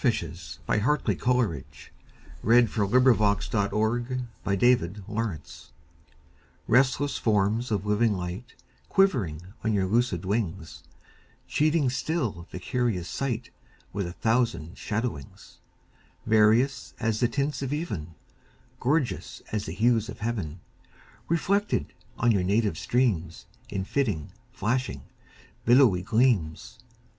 I J . K L . M N . O P . Q R . S T . U V . W X . Y Z Address to Certain Golfishes RESTLESS forms of living light Quivering on your lucid wings, Cheating still the curious sight With a thousand shadowings; Various as the tints of even, Gorgeous as the hues of heaven, Reflected on you native streams In flitting, flashing, billowy gleams!